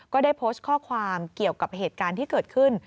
ก็ได้โพสต์ข้อความเกี่ยวกับเหตุการณ์ที่เกิดขึ้น